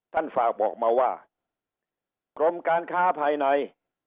ฝากบอกมาว่ากรมการค้าภายใน